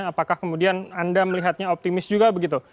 apakah kemudian anda melihatnya optimis juga begitu